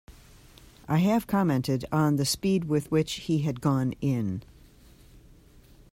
I have commented on the speed with which he had gone in.